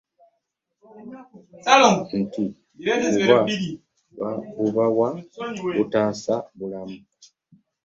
Nti kuba babubawa kutaasa bulamu.